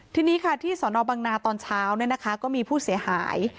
ทีนี้ค่ะที่สนบังนาตอนเช้าก็มีผู้เสียหาย